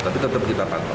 tapi tetap kita pantau